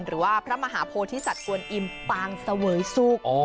หรือว่าพระมหาโพธิสัตว์กวนอิมปางเสวยสุข